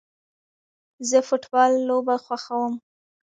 زه فټبال لوبه خوښوم